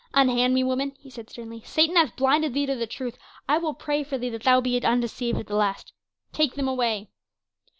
"Unhand me, woman," he said sternly. "Satan hath blinded thee to the truth; I will pray for thee that thou be undeceived at the last. Take them away."